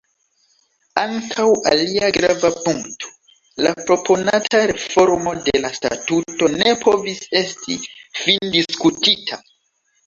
Ankaŭ alia grava punkto, la proponata reformo de la statuto, ne povis esti findiskutita.